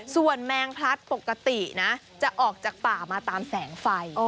ส่วนแมงพลัดปกตินะจะออกจากป่ามาตามแสงไฟ